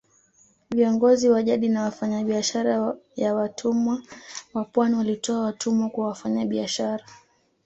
Viongozi wa jadi na wafanyabiashara ya watumwa wa pwani walitoa watumwa kwa wafanyabiashara